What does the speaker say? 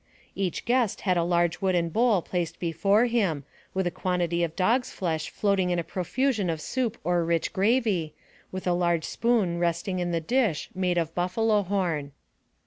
Each guest had a large wooden bowl placed before him, with a quantity of dog's flesh floating in a profusion of soup or rich gravy, with a large spoon resting in the dish, made of buffalo horn.